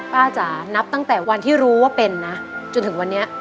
จ๋านับตั้งแต่วันที่รู้ว่าเป็นนะจนถึงวันนี้